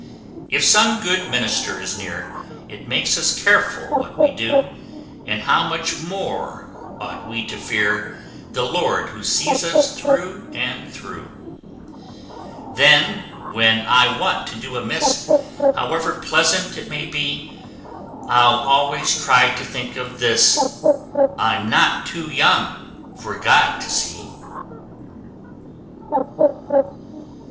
If some good minister is near, It makes us careful what we do; And how much more ought we to fear The LORD who sees us through and through Then when I want to do amiss, However pleasant it may be, I'll always try to think of this I'm not too young for GOD to see!